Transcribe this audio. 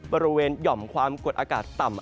หย่อมความกดอากาศต่ำ